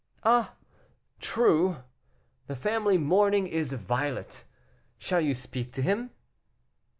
"Ah! true; the family mourning is violet. Shall you speak to him?"